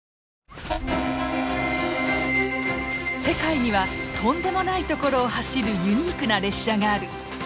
世界にはとんでもない所を走るユニークな列車がある！